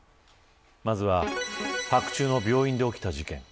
まずは白昼の病院で起きた事件。